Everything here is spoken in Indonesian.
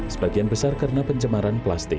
sebagian besar karena pencemaran plastik